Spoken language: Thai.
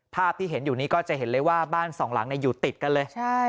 ภาพที่เห็นอยู่นี้ก็จะเห็นเลยว่าบ้านสองหลังอยู่ติดกันเลย